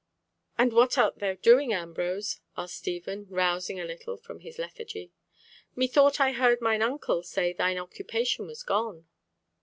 "And what art thou doing, Ambrose?" asked Stephen, rousing a little from his lethargy. "Methought I heard mine uncle say thine occupation was gone?"